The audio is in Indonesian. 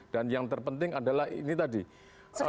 dan yang terpenting adalah ini tadi kecepatan